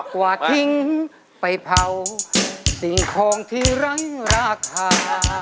กว่าทิ้งไปเผาสิ่งของที่รังราคา